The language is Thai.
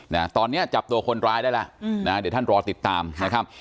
นะตอนเนี้ยจับตัวคนร้ายได้แล้วอืมนะเดี๋ยวท่านรอติดตามนะครับ